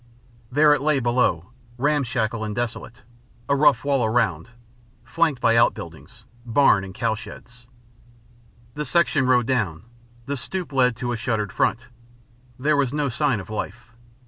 There it lay below, ramshackle and desolate, a rough wall around; flanked by outbuildings barn and cowsheds. The section rode down. The stoep led to a shuttered front. There was no sign of life.